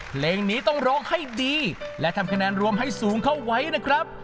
เพลงนี้ต้องร้องให้ดีและทำคะแนนรวมให้สูงเข้าไว้นะครับ